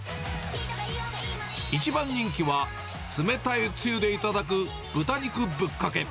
一番人気は、冷たいつゆで頂く豚肉ぶっかけ。